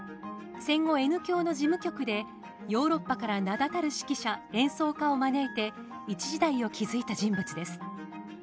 戦後Ｎ響の事務局でヨーロッパから名だたる指揮者演奏家を招いて一時代を築いた人物です。